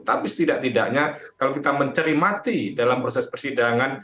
tapi setidak tidaknya kalau kita mencermati dalam proses persidangan